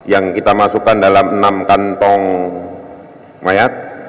yang kita masukkan dalam enam kantong mayat